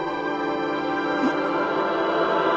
えっ！？